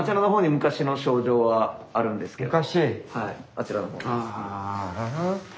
あちらの方です。